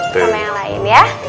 sama yang lain ya